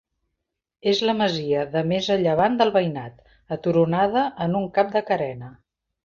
És la masia de més a llevant del veïnat, aturonada en un cap de carena.